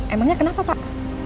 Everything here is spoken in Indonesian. emangnya kenapa pak